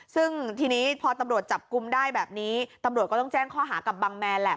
ซึ่งทีนี้พอตำรวจจับกลุ่มได้แบบนี้ตำรวจก็ต้องแจ้งข้อหากับบังแมนแหละ